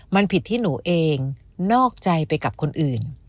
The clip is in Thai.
มันผิดที่หนูเองนอกใจไปกับคนอื่น